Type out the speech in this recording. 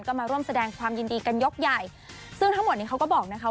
ก็มาร่วมแสดงความยินดีกันยกใหญ่ซึ่งทั้งหมดนี้เขาก็บอกนะคะ